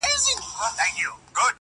• خو د درد اصل حل نه مومي او پاتې..